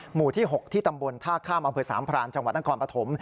หมู่ที่๖ที่ตำบลท่าข้ามอำเภอสามพรานจังหวัดนครปฐม